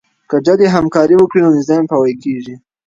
که ډلې همکاري وکړي نو نظام پیاوړی کیږي.